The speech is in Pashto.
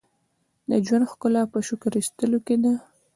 • د ژوند ښکلا په شکر ایستلو کې ده.